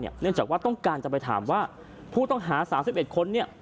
เนื่องจากว่าต้องการจะไปถามว่าผู้ต้องหา๓๑คน